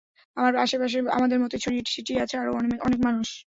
আমার আশে পাশে আমাদের মতোই ছড়িয়ে ছিটিয়ে আছে আরও কিছু মানুষ।